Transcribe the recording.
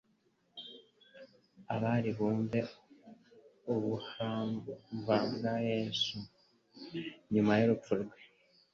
Abari bumvise ubuhamva bwa Yesu, nyuma y'urupfu rwe,